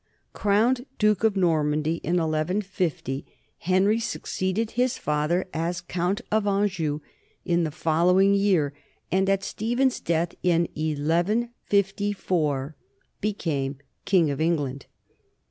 Crowned duke of Normandy in 1150, Henry succeeded his father as count of Anjou in the following year, and at Stephen's death in 1154 became king of England.